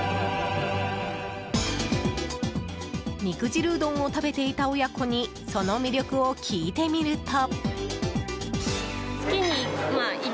肉汁うどんを食べていた親子にその魅力を聞いてみると。